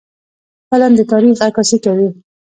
فلم د تاریخ عکاسي کوي